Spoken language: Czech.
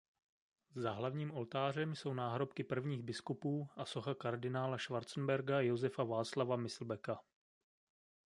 Za hlavním oltářem jsou náhrobky prvních biskupů a socha kardinála Schwarzenberga Josefa Václava Myslbeka.